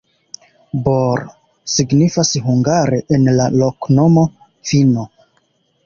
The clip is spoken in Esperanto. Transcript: Bor signifas hungare en la loknomo: vino.